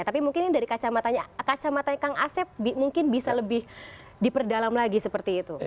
tapi mungkin ini dari kacamata kang asep mungkin bisa lebih diperdalam lagi seperti itu